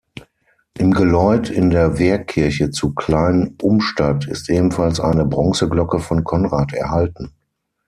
Im Geläut in der Wehrkirche zu Klein-Umstadt ist ebenfalls eine Bronzeglocke von Konrad erhalten.